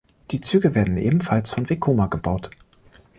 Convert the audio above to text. Die Züge werden ebenfalls von Vekoma gebaut.